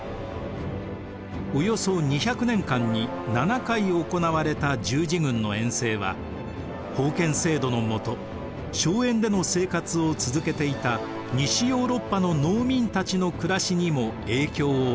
およそ２００年間に７回行われた十字軍の遠征は封建制度のもと荘園での生活を続けていた西ヨーロッパの農民たちの暮らしにも影響を与えます。